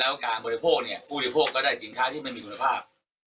แล้วการบริโภคเนี่ยผู้บริโภคก็ได้สินค้าที่มันมีคุณภาพ